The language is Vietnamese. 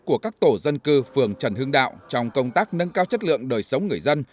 của các tổ dân cư phường trần hương đạo trong công tác nâng cao chất lượng đời sống người dân